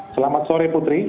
selamat sore putri